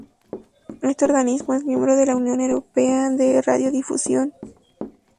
Este organismo es miembro de la Unión Europea de Radiodifusión.